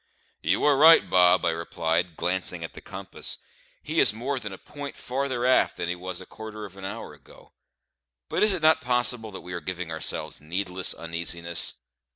"You are right, Bob," I replied, glancing at the compass; "he is more than a point farther aft than he was a quarter of an hour ago; but is it not possible that we are giving ourselves needless uneasiness?